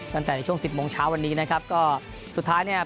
ตั้งแต่ในช่วงสิบโมงเช้าวันนี้นะครับก็สุดท้ายเนี่ย